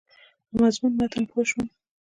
په مضمون متن پوه شوم.